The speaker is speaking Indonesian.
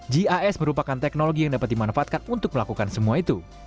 gis merupakan teknologi yang dapat dimanfaatkan untuk melakukan semua itu